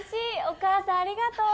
お母さんありがとう！